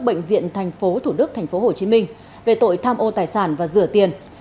bệnh viện tp thủ đức tp hcm về tội tham ô tài sản và rửa tiền